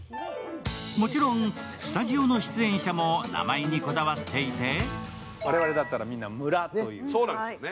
もちろん、スタジオの出演者も名前にこだわっていて我々だったら全員「村」というね。